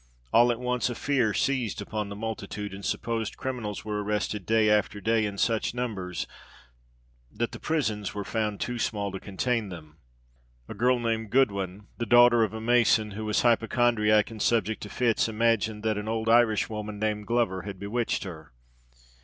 All at once a fear seized upon the multitude, and supposed criminals were arrested day after day in such numbers, that the prisons were found too small to contain them. A girl named Goodwin, the daughter of a mason, who was hypochondriac and subject to fits, imagined that an old Irish woman, named Glover, had bewitched her.